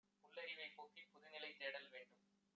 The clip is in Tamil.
புல்லறிவைப் போக்கிப் புதுநிலைதே டல்வேண்டும்.